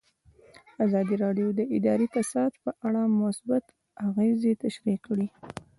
ازادي راډیو د اداري فساد په اړه مثبت اغېزې تشریح کړي.